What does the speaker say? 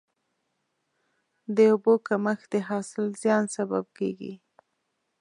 د اوبو کمښت د حاصل زیان سبب کېږي.